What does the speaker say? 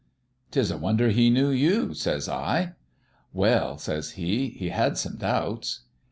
"' 'Tis a wonder he knew you,' says I. "' Well,' says he, ' he had some doubts.'